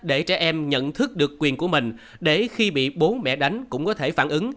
để trẻ em nhận thức được quyền của mình để khi bị bố mẹ đánh cũng có thể phản ứng